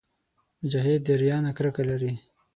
مجاهد د ریا نه کرکه لري.